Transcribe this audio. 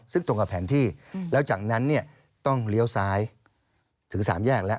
ซึ่งตรงกับแผนที่แล้วจากนั้นเนี่ยต้องเลี้ยวซ้ายถึงสามแยกแล้ว